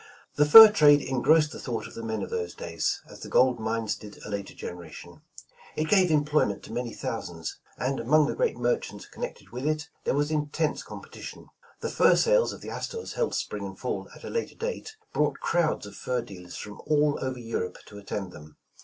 The fur trade engrossed the thought of the men of those days, as the gold mines did a later generation. It gave employment to many thousands, and among the great merchants connected with it, there was intense competition. The fur sales of the Astors held spring and fall at a later date, brought crowds of fur dealers from all over Europe to attend them.